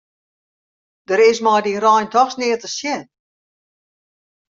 Der is mei dy rein dochs neat te sjen.